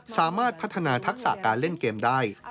สามารถพัฒนาทักษะการเล่นเกมได้